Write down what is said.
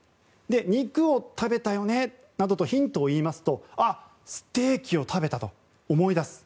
肉を食べたよね？などとヒントを言いますとあ、ステーキを食べた！と思い出す。